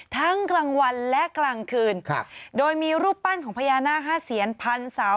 กลางวันและกลางคืนครับโดยมีรูปปั้นของพญานาคห้าเซียนพันเสา